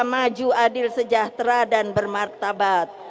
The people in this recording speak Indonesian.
maju adil sejahtera dan bermartabat